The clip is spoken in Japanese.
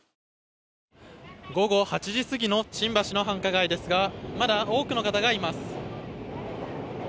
午後８時過ぎの新橋の繁華街ですがまだ多くの方がいます。